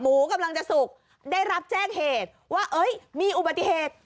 กำลังจะสุกได้รับแจ้งเหตุว่าเอ้ยมีอุบัติเหตุ